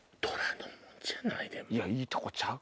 いいとこちゃう？